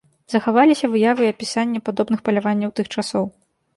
Захаваліся выявы і апісання падобных паляванняў тых часоў.